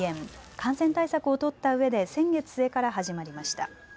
感染対策を取ったうえで先月末から始まりました。